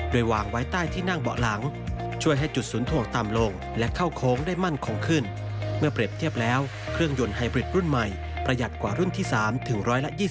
โดยวางไว้ใต้ที่นั่งเบาะหลังช่วยให้จุดศูนย์ทวงต่ำลงและเข้าโค้งได้มั่นคงขึ้นเมื่อเปรียบเทียบแล้วเครื่องยนต์ไฮบริดรุ่นใหม่ประหยัดกว่ารุ่นที่๓ถึง๑๒๐